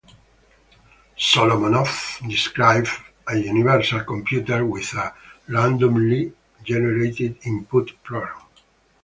Solomonoff described a universal computer with a randomly generated input program.